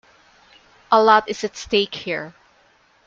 A lot is at stake here.